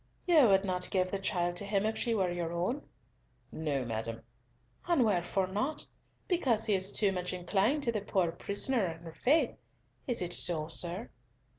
"You would not give the child to him if she were your own?" "No, madam." "And wherefore not? Because he is too much inclined to the poor prisoner and her faith? Is it so, sir?"